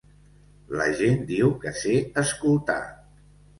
La gent diu que sé escoltar.